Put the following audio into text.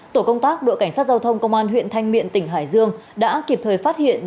tổ công tác đội cảnh sát giao thông công an huyện thanh miện tỉnh hải dương đã kịp thời phát hiện